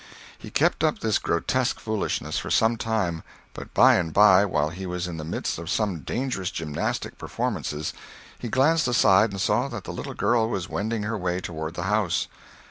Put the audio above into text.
He kept up this grotesque foolishness for some time; but by and by, while he was in the midst of some dangerous gymnastic performances, he glanced aside and saw that the little girl was wending her way toward the house.